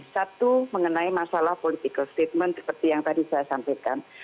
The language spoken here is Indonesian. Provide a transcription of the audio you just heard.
satu mengenai masalah political statement seperti yang tadi saya sampaikan